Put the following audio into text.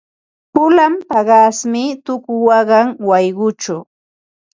Pulan paqasmi tuku waqan wayquchaw.